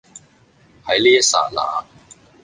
喺呢一剎那